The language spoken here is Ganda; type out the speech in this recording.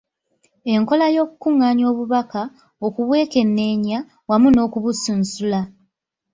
Enkola y’okukungaanya obubaka, okubwekenneenya, wamu n’okubusunsula.